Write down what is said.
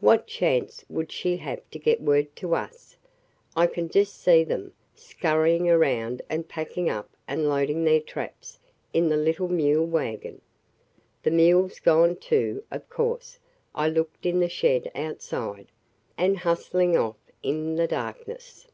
What chance would she have to get word to us? I can just see them, scurrying around and packing up and loading their traps in the little mule wagon (the mule's gone too, of course; I looked in the shed outside) and hustling off in the darkness.